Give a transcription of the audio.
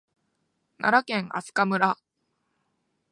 奈良県明日香村